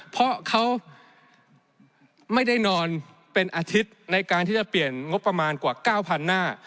เพราะเขาไม่ได้นอนเป็นอาทิตย์ในการที่จะเปลี่ยนงบประมาณกว่า๙๐๐หน้า